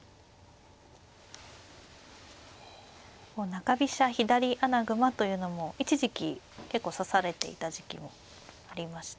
中飛車左穴熊というのも一時期結構指されていた時期もありましたよね。